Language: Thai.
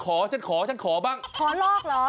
ขอรอกหรือ